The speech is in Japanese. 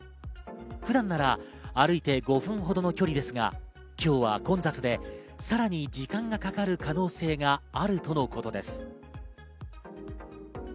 普段なら歩いて５分程の距離ですが、今日は混雑で、さらに時間がかかる可能性があるとのことです。